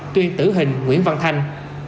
tuyên tử hình nguyễn văn thanh